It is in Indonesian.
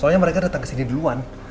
soalnya mereka datang kesini duluan